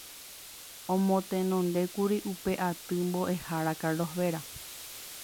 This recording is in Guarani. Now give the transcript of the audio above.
Omotenondékuri upe aty Mboʼehára Carlos Vera.